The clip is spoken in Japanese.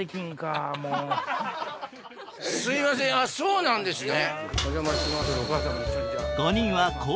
すいませんあっそうなんですね。